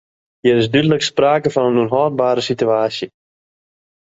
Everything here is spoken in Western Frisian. Hjir is dúdlik sprake fan in ûnhâldbere sitewaasje.